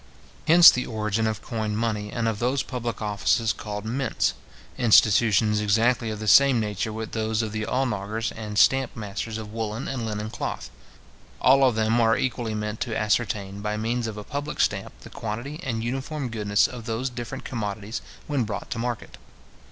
Hence the origin of coined money, and of those public offices called mints; institutions exactly of the same nature with those of the aulnagers and stamp masters of woollen and linen cloth. All of them are equally meant to ascertain, by means of a public stamp, the quantity and uniform goodness of those different commodities when brought to market.